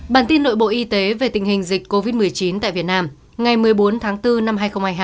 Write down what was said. bản tin nội bộ y tế về tình hình dịch covid một mươi chín tại việt nam ngày một mươi bốn tháng bốn năm hai nghìn hai mươi hai